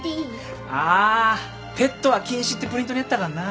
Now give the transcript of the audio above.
ああペットは禁止ってプリントにあったかんな。